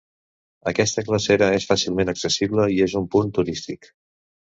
Aquesta glacera és fàcilment accessible i és un punt turístic.